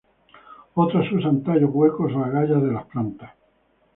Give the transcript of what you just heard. Otras usan tallos huecos o agallas de las plantas.